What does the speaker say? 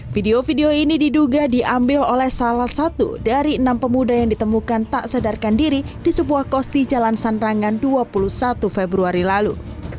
video video ini diduga diambil oleh salah satu dari enam pemuda yang ditemukan tak sadarkan diri di sebuah kos di jalan sandrangan dua puluh satu februari lalu